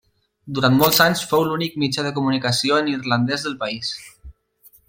Durant molts anys fou l'únic mitjà de comunicació en irlandès del país.